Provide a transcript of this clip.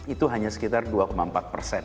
itu hanya sekitar dua empat persen